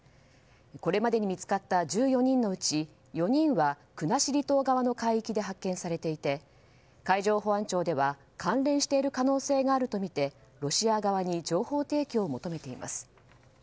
これまでに見つかった１４人のうち４人は国後島側の海域で発見されていて、海上保安庁では関連している可能性があるとみてロシア側に情報提供を求めています。